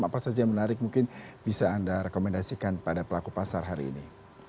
apa saja yang menarik mungkin bisa anda rekomendasikan pada pelaku pasar hari ini